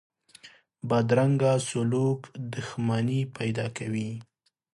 بدرنګه سلوک دښمني پیدا کوي